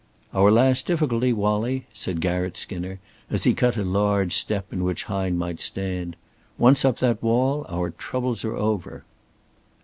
"Our last difficulty, Wallie," said Garratt Skinner, as he cut a large step in which Hine might stand. "Once up that wall, our troubles are over."